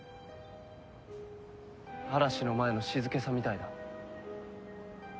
嵐の前の静けさみたいだ。